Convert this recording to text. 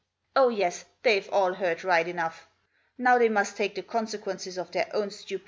Oh yes, they've all neard right enough! Now they mUst take the consequences of their Own stupidity.